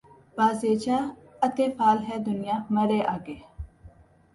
بازیچۂ اطفال ہے دنیا مرے آگے